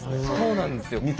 そうなんですよ。